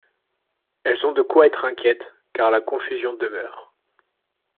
Elles ont de quoi être inquiètes, car la confusion demeure.